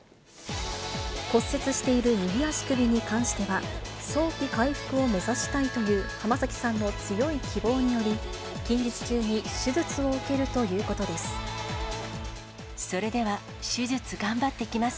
骨折している右足首に関しては、早期回復を目指したいという浜崎さんの強い希望により、近日中に手術を受けるということです。